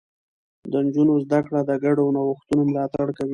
د نجونو زده کړه د ګډو نوښتونو ملاتړ کوي.